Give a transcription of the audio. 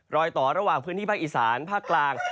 รอยต่อระหว่างพื้นที่ภาคอีสานภาคกลาง